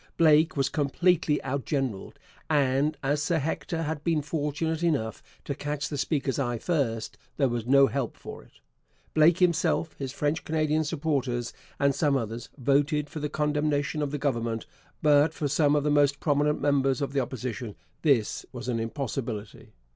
Blake was completely outgeneralled, and as Sir Hector had been fortunate enough to catch the speaker's eye first, there was no help for it. Blake himself, his French Canadian supporters, and some others, voted for the condemnation of the Government, but for some of the most prominent members of the Opposition this was an impossibility.